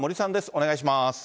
お願いします。